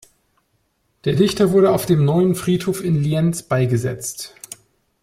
Der Dichter wurde auf dem neuen Friedhof in Lienz beigesetzt.